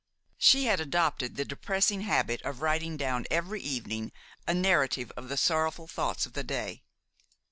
She had adopted the depressing habit of writing down every evening a narrative of the sorrowful thoughts of the day.